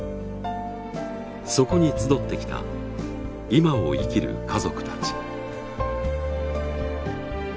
そこに集ってきた今を生きる家族たち。